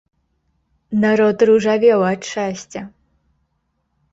Народ ружавеў ад шчасця!